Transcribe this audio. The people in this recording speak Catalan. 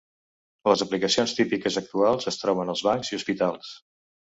Les aplicacions típiques actuals es troben als bancs i hospitals.